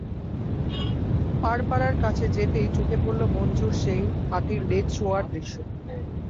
পাড়পাড়ার কাছে যেতেই চোখে পড়ল মজনুর সেই হাতির লেজ ছোঁয়ার দৃশ্য।